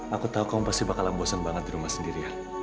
aku tahu kamu pasti bakalan bosan banget di rumah sendirian